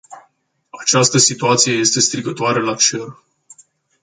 Această situație este strigătoare la cer!